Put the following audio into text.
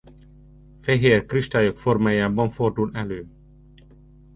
Fehér kristályok formájában fordul elő.